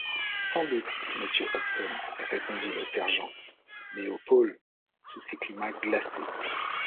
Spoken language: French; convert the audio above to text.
Sans doute, monsieur Hobson, répondit le sergent, mais au pôle, sous ces climats glacés!...